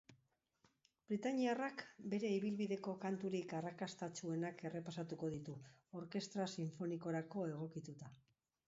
Britainiarrak bere ibilbideko kanturik arrakastatsuenak errepasatuko ditu, orkestra sinfonikorako egokituta.